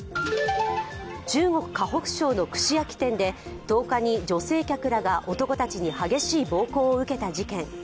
中国河北省の串焼き店で１０日に女性客らが男たちに激しい暴行を受けた事件。